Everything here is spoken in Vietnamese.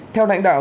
theo lãnh đạo